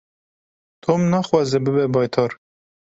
Tom naxwaze bibe baytar.